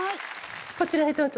こちらへどうぞ。